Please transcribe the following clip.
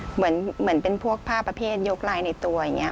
เหมือนเป็นพวกผ้าประเภทยกลายในตัวอย่างนี้